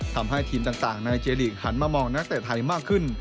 ทำให้ทีมต่างในเจลีกหันมามองนักเตะไทยมากขึ้น